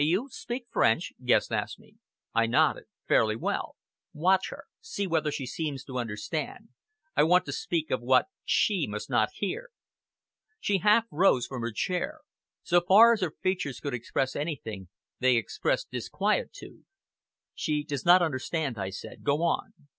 "You speak French?" Guest asked me. I nodded. "Fairly well!" "Watch her! See whether she seems to understand. I want to speak of what she must not hear." She half rose from her chair. So far as her features could express anything, they expressed disquietude. "She does not understand," I said. "Go on!"